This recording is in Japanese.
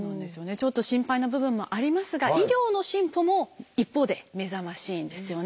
ちょっと心配な部分もありますが医療の進歩も一方で目覚ましいんですよね。